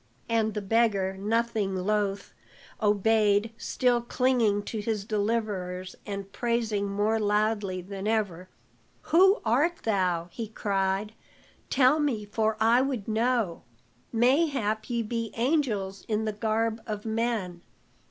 And the beggar, nothing loth, obeyed, still clinging to his deliverers and praising more loudly than ever. "Who art thou?" he cried. "Tell me, for I would know; mayhap ye be angels in the garb of men."